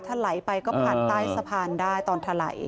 ถ้าไหลไปก็ผ่านใต้สะพานได้ตอนถลาย